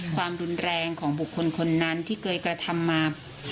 ความรุนแรงของบุคคลคนนั้นที่เคยกระทำมา